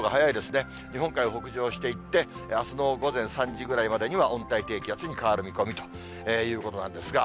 日本海を北上していって、あすの午前３時ぐらいまでには温帯低気圧に変わる見込みということなんですが。